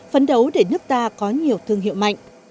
phấn đấu để nước ta có nhiều thương hiệu mạnh